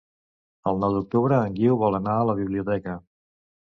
El nou d'octubre en Guiu vol anar a la biblioteca.